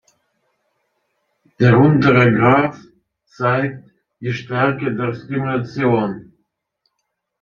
Der untere Graph zeigt die Stärke der Stimulation.